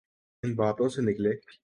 ان باتوں سے نکلیں۔